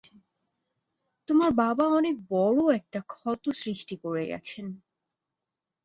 তোমার বাবা অনেক বড় একটা ক্ষত সৃষ্টি করে গেছেন।